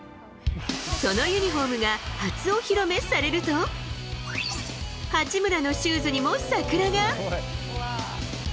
そのユニホームが初お披露目されると、八村のシューズにも桜が。